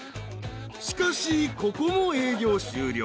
［しかしここも営業終了。